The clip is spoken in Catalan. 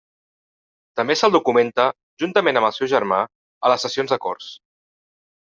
També se'l documenta, juntament amb el seu germà, a les sessions de corts.